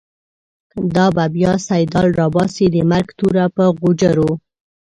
دا به بیا« سیدال» راباسی، د مرگ توره په غوجرو